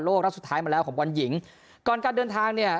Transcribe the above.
ฟอร์โลกแล้วสุดท้ายมาแล้วของบรรยห์หยิงก่อนการเดินทางนี่